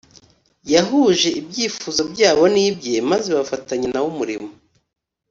. Yahuje ibyifuzo byabo n’ibye, maze bafatanya na we umurimo.